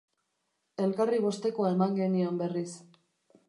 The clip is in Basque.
Elkarri bostekoa eman genion berriz.